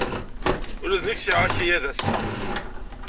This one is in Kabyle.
Ula d nekk sɛiɣ akayad ass-a.